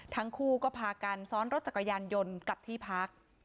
ทั้งคู่ก็พากันซ้อนรถจักรยานยนต์กลับที่พัก